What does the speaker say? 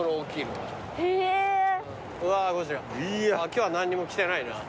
今日は何にも着てないな。